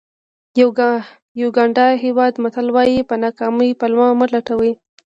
د یوګانډا هېواد متل وایي په ناکامۍ پلمه مه لټوئ.